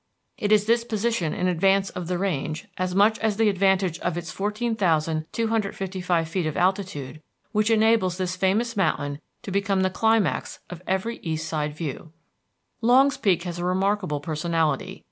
It is this position in advance of the range, as much as the advantage of its 14,255 feet of altitude, which enables this famous mountain to become the climax of every east side view. Longs Peak has a remarkable personality.